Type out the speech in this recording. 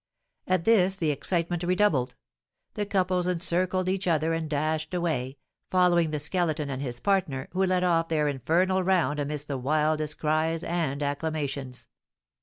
At this the excitement redoubled; the couples encircled each other and dashed away, following the Skeleton and his partner, who led off their infernal round amidst the wildest cries and acclamations.